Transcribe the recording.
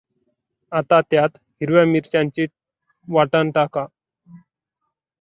आता त्यात हिरव्या मिरच्यांचे वाटण टाका.